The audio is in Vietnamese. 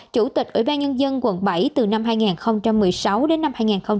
chủ tịch ủy ban nhân dân quận bảy từ năm hai nghìn một mươi sáu đến năm hai nghìn hai mươi